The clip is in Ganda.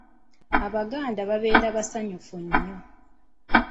Abaganda babeera basanyufu nnyo.